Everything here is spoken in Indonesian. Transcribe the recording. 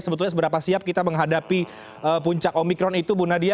sebetulnya seberapa siap kita menghadapi puncak omikron itu bu nadia